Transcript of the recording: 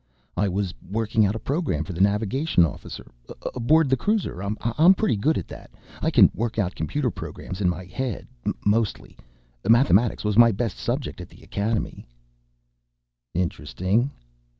"I was working out a program for the navigation officer ... aboard the cruiser. I'm pretty good at that ... I can work out computer programs in my head, mostly. Mathematics was my best subject at the Academy—" "Interesting."